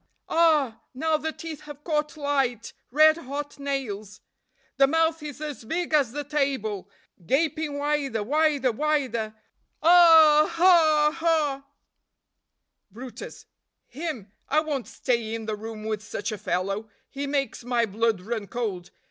Ah, now the teeth have caught light red hot nails. The mouth is as big as the table, gaping wider, wider, wider. Ah! ah! ah!" brutus. " him; I won't stay in the room with such a fellow, he makes my blood run cold.